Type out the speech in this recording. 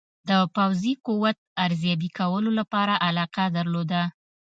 د پوځي قوت ارزیابي کولو سره علاقه درلوده.